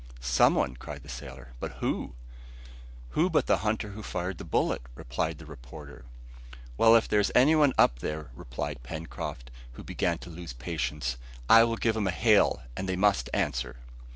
"Some one," cried the sailor. "But who?" "Who but the hunter who fired the bullet?" replied the reporter. "Well, if there is any one up there," replied Pencroft, who began to lose patience, "I will give them a hail, and they must answer."